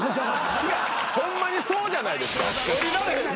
ホンマにそうじゃないですか。